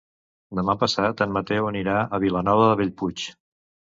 Demà passat en Mateu anirà a Vilanova de Bellpuig.